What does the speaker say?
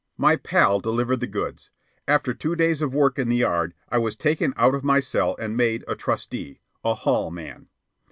My pal delivered the goods. After two days of work in the yard I was taken out of my cell and made a trusty, a "hall man."